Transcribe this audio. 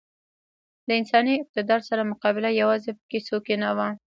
له سیاسي اقتدار سره مقابله یوازې په کیسو کې نه وه.